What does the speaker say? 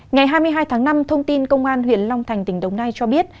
ngày hai mươi hai tháng năm thông tin công an huyện long thành tỉnh đồng nai cho biết